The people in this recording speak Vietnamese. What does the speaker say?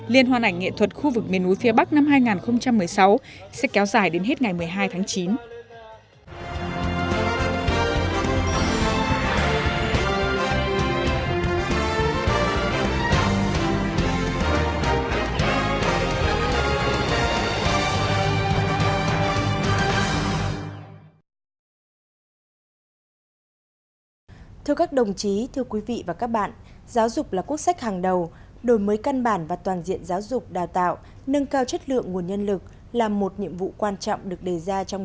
liên hoan ảnh nghệ thuật khu vực miền núi phía bắc năm hai nghìn một mươi sáu sẽ kéo dài đến hết ngày một mươi hai tháng chín